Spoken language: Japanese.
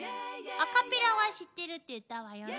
アカペラは知ってるって言ったわよね？